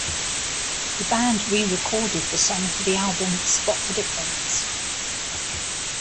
The band re-recorded the song for the album "Spot the Difference".